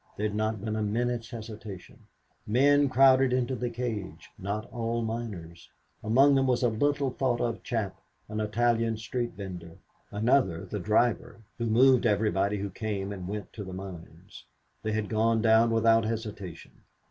There had not been a minute's hesitation. Men crowded into the cage, not all miners. Among them was a little thought of chap, an Italian street vender. Another, the driver, who moved everybody who came and went to the mines. They had gone down without hesitation.